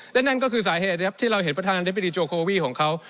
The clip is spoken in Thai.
และนั่นก็คือสาเหตุนะครับที่เราเห็นประธานได้บิดีโจโควีของเขา